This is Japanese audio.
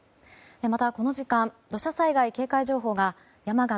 またこの時間土砂災害警戒情報が山形、